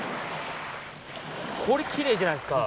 これキレイじゃないですか。